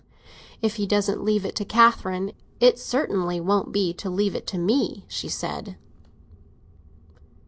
"If he doesn't leave it to Catherine, it certainly won't be to leave it to me," she said.